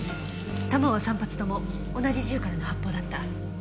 弾は３発とも同じ銃からの発砲だった。